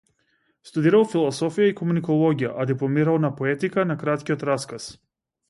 Студирал философија и комуникологија, а дипломирал на поетика на краткиот раказ.